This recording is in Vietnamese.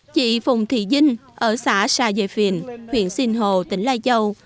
chị phùng thị dinh ở xã sa dây phiền huyện sinh hồ tỉnh lai châu